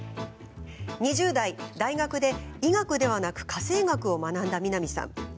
２０代、大学で医学ではなく家政学を学んだ南さん。